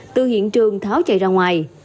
từ hiện trường tháo chạy ra ngoài